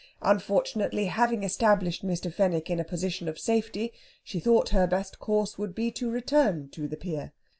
Unfortunately, having established Mr. Fenwick in a position of safety, she thought her best course would be to return to the pier.